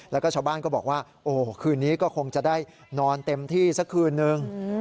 แล้วก็ชาวบ้านก็บอกว่าโอ้คืนนี้ก็คงจะได้นอนเต็มที่สักคืนนึง